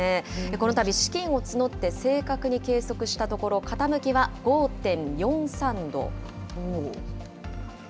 このたび資金を募って正確に計測したところ、傾きは５．４３度。